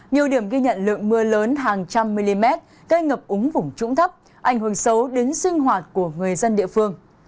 nhiều điểm ghi nhận lượng mưa lớn hàng trăm mm cây ngập úng vùng trũng thấp ảnh hưởng xấu đến sinh hoạt của người dân địa phương